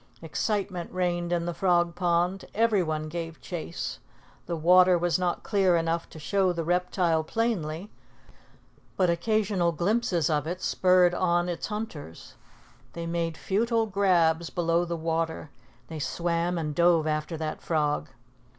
Excitement reigned in the Frog Pond. Every one gave chase. The water was not clear enough to show the reptile plainly, but occasional glimpses of it spurred on its hunters. They made futile grabs below the water; they swam and dove after that frog.